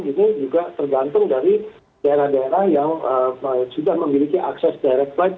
ini juga tergantung dari daerah daerah yang sudah memiliki akses direct bike